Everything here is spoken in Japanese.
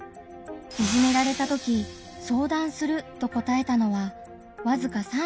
いじめられたとき「相談する」と答えたのはわずか３６．６％。